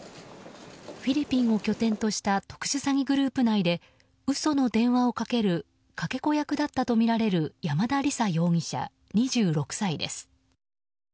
フィリピンを拠点とした特殊詐欺グループ内で嘘の電話をかけるかけ子役だったとみられる山田李沙容疑者、２６歳です。